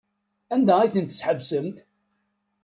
Anda ay tent-tḥebsemt?